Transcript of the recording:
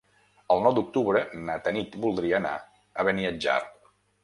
El nou d'octubre na Tanit voldria anar a Beniatjar.